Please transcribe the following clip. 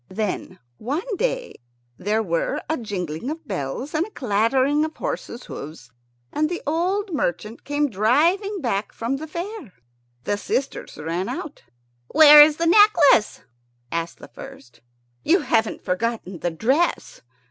Then one day there were a jingling of bells and a clattering of horses' hoofs, and the old merchant came driving back from the fair. The sisters ran out. "Where is the necklace?" asked the first. "You haven't forgotten the dress?"